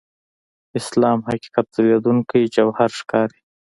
اسلام حقیقت ځلېدونکي جوهر ښکاري.